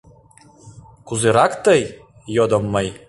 — Кузерак тый? — йодым мый.